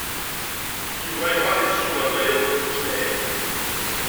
Yuba yebɣa ad yessumar Baya U Smaɛil.